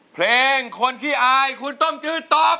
เพลงคนขี้อายคุณต้มจืดตอบ